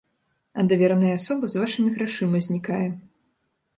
А давераная асоба з вашымі грашыма знікае.